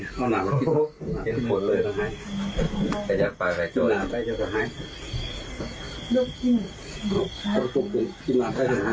หายแล้วหรอคะ